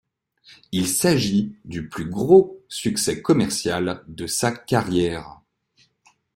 Il s'agit du plus gros succès commercial de sa carrière.